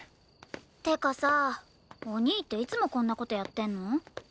ってかさお兄っていつもこんな事やってんの？